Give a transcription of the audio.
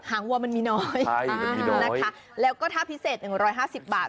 งวัวมันมีน้อยนะคะแล้วก็ถ้าพิเศษ๑๕๐บาท